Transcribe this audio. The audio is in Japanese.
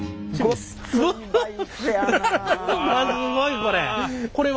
わっすごいこれ。